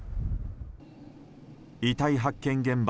遺体発見現場